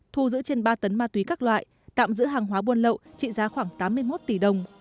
thu giữ trên ba tấn ma túy các loại tạm giữ hàng hóa buôn lậu trị giá khoảng tám mươi một tỷ đồng